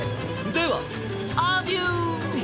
ではアデュー！